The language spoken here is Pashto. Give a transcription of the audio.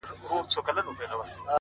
سم ليونى سوم،